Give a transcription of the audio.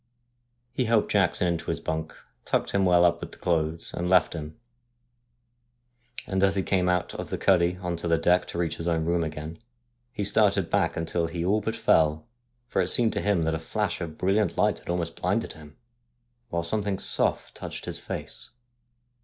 He helped Jackson into his bunk, tucked him well up with the clothes, and left him ; and as he came out of the cuddy on to the deck to reach his own room again, he started back until he all but fell, for it seemed to him that a flash of brilliant light had almost blinded him, while some thing soft touched his face.